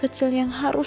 terima kasih bu